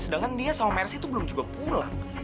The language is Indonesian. sedangkan dia sama mercy itu belum juga pulang